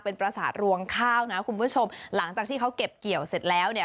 เป็นประสาทรวงข้าวนะคุณผู้ชมหลังจากที่เขาเก็บเกี่ยวเสร็จแล้วเนี่ย